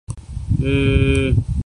بے طلب قرض دوستاں کی طرح